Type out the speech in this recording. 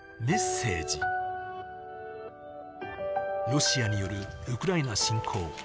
ロシアによるウクライナ侵攻。